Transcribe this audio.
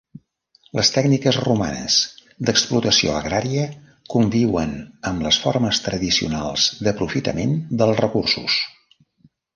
Les tècniques romanes d'explotació agrària conviuen amb les formes tradicionals d'aprofitament dels recursos.